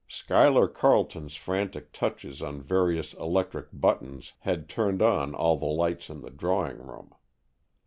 Schuyler Carleton's frantic touches on various electric buttons had turned on all the lights in the drawing room.